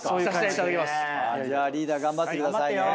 じゃあリーダー頑張ってくださいね。